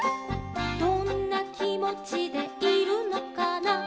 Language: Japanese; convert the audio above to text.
「どんなきもちでいるのかな」